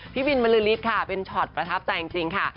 พี่บินบริษฐ์ค่ะเป็นช็อตประทับใจจริงค่ะ